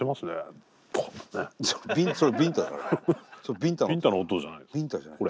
ビンタの音じゃないの？